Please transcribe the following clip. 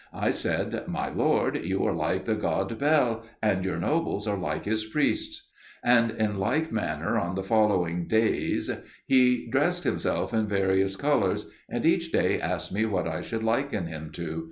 I said, "My lord, you are like the god Bel, and your nobles are like his priests." And in like manner on the following days he dressed himself in various colours, and each day asked me what I should liken him to.